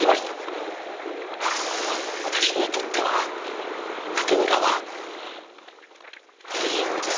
私にとっては竹村は英雄です。